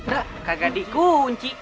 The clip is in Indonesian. gak di kunci